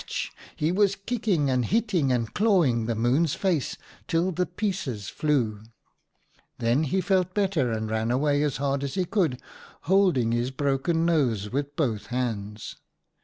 WHY HARE'S NOSE IS SLIT 77 was kicking, and hitting and clawing the Moon's face till the pieces flew. " Then he felt better and ran away as hard as he could, holding his broken nose with both hands.